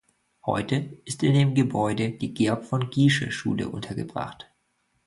Heute ist in dem Gebäude die Georg-von-Giesche-Schule untergebracht.